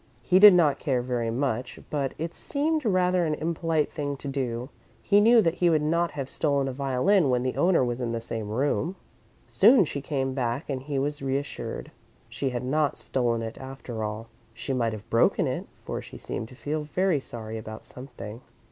He did not care very much, but it seemed rather an impolite thing to do. He knew that he would not have stolen a violin when the owner was in the same room. Soon she came back and he was reassured. She had not stolen it after all. She might have broken it, for she seemed to feel very sorry about something.